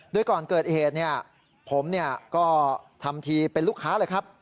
โดยก่อนเกิดเหตุผมก็ทำทีเป็นลูกค้าเลยครับ